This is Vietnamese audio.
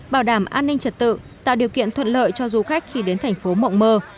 bảo đảm an ninh trật tự tạo điều kiện thuận lợi cho du khách khi đến thành phố mộng mơ